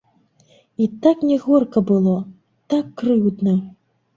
І так мне горка было, так крыўдна.